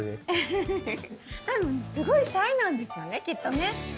多分すごいシャイなんですよねきっとね。